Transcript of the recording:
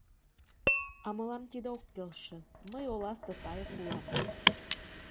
А мылам тиде ок келше, мый оласе кайык улам.